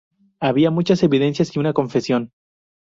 Había muchas evidencias y una confesión.